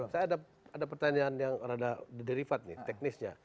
saya ada pertanyaan yang rada derivat nih teknisnya